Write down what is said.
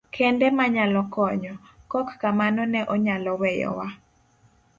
Kende manyalo konyo, kok kamano ne onyalo weyowa.